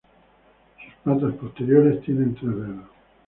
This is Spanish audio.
Sus patas posteriores tienen tres dedos.